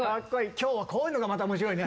今日はこういうのがまた面白いね。